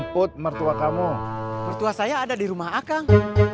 pertua saya ada di rumah akang